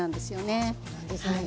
あそうなんですね。